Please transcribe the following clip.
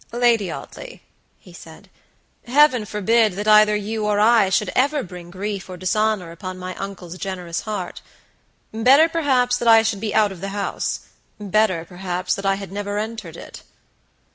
"Lady Audley," he said, "Heaven forbid that either you or I should ever bring grief or dishonor upon my uncle's generous heart! Better, perhaps, that I should be out of the housebetter, perhaps, that I had never entered it!"